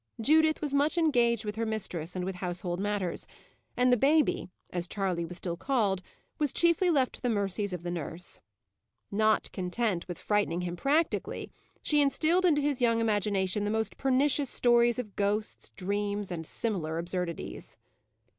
Judith was much engaged with her mistress and with household matters, and the baby, as Charley was still called, was chiefly left to the mercies of the nurse. Not content with frightening him practically, she instilled into his young imagination the most pernicious stories of ghosts, dreams, and similar absurdities.